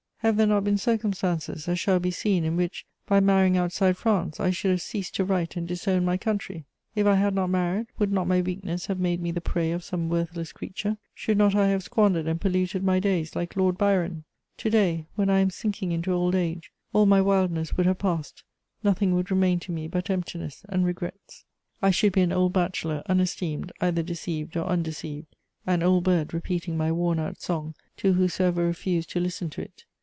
Have there not been circumstances, as shall be seen, in which, by marrying outside France, I should have ceased to write and disowned my country? If I had not married, would not my weakness have made me the prey of some worthless creature? Should not I have squandered and polluted my days like Lord Byron? To day, when I am sinking into old age, all my wildness would have passed; nothing would remain to me but emptiness and regrets: I should be an old bachelor, unesteemed, either deceived or undeceived, an old bird repeating my worn out song to whosoever refused to listen to it.